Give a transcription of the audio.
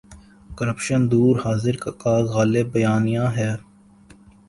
Corruption دور حاضر کا غالب بیانیہ ہے۔